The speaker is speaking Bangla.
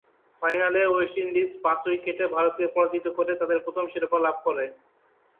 ফাইনালে, ওয়েস্ট ইন্ডিজ পাঁচ উইকেটে ভারতকে পরাজিত করে তাদের প্রথম শিরোপা লাভ করে।